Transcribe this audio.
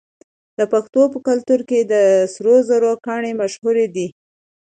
د پښتنو په کلتور کې د سرو زرو ګاڼې مشهورې دي.